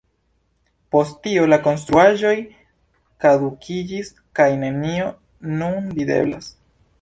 Post tio la konstruaĵoj kadukiĝis, kaj nenio nun videblas.